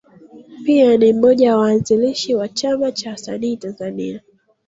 Pia ni mmoja ya waanzilishi wa Chama cha Wasanii Tanzania.